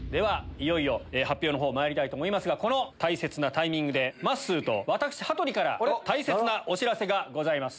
いよいよ発表の方まいりたいと思いますがこの大切なタイミングでまっすーと私羽鳥から大切なお知らせがございます。